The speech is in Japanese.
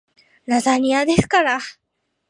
ラザニアですから